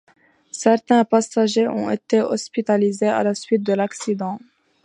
Certains passagers ont été hospitalisés à la suite de l'accident.